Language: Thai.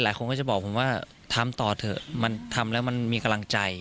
คนก็จะบอกผมว่าทำต่อเถอะมันทำแล้วมันมีกำลังใจ